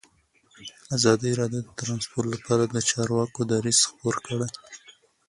ازادي راډیو د ترانسپورټ لپاره د چارواکو دریځ خپور کړی.